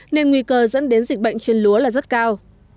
nên nguy cơ dẫn đến dịch bệnh trên lúa là rất cao